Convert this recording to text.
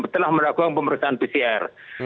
telah melakukan pemeriksaan pcr